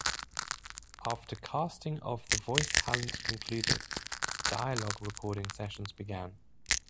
After casting of the voice talent concluded, dialogue recording sessions began.